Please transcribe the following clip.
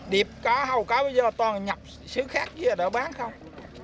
điệp có hầu có bây giờ toàn nhập sứ khác dưới đó bán không